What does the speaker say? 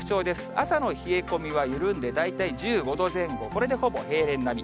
朝の冷え込みは緩んで、大体１５度前後、これでほぼ平年並み。